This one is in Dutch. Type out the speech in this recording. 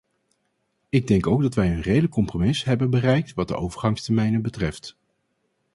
Ik denk ook dat wij een redelijk compromis hebben bereikt wat de overgangstermijnen betreft.